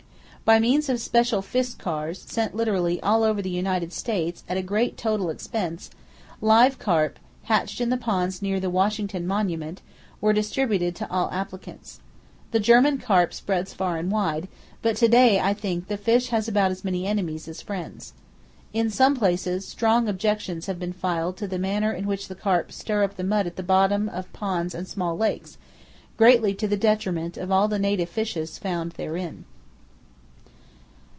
By means of special fish cars, sent literally all over the United States, at a great total expense, live carp, hatched in the ponds near the Washington Monument were distributed to all applicants. The German carp spread far and wide; but to day I think the fish has about as many enemies as friends. In some places, strong objections have been filed to the manner in which carp stir up the mud at the bottom of ponds and small lakes, greatly to the detriment of all the native fishes found therein.